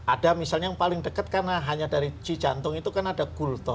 ada misalnya yang paling dekat karena hanya dari cijantung itu kan ada gulto